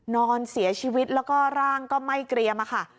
นอนเสียชีวิตแล้วก็ร่างก็ไหม้เกรียมค่ะ